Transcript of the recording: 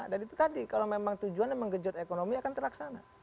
dan itu tadi kalau memang tujuan mengejut ekonomi akan terlaksana